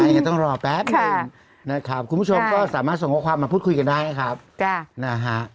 ก็ต้องรอแป๊บหนึ่งนะครับคุณผู้ชมก็สามารถส่งข้อความมาพูดคุยกันได้นะครับนะฮะ